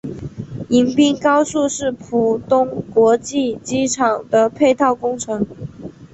迎宾高速是浦东国际机场的配套工程。